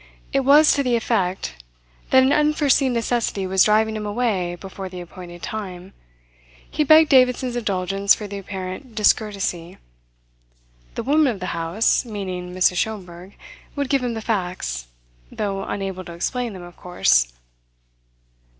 It was to the effect: that an unforeseen necessity was driving him away before the appointed time. He begged Davidson's indulgence for the apparent discourtesy. The woman of the house meaning Mrs. Schomberg would give him the facts, though unable to explain them, of course.